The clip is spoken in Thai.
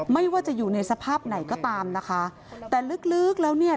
ไม่ว่าจะอยู่ในสภาพไหนก็ตามนะคะแต่ลึกลึกแล้วเนี่ย